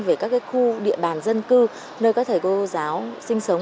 về các khu địa bàn dân cư nơi các thầy cô giáo sinh sống